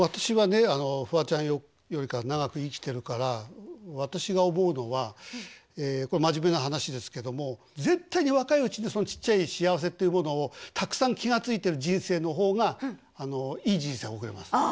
私はねフワちゃんよりかは長く生きてるから私が思うのはこれ真面目な話ですけども絶対に若いうちにそのちっちゃい幸せっていうものをたくさん気が付いてる人生の方がいい人生を送れます。